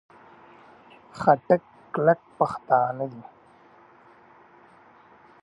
خټک کلک پښتانه دي.